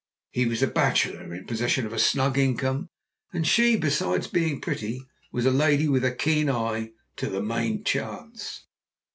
He was a bachelor in possession of a snug income, and she, besides being pretty, was a lady with a keen eye to the main chance.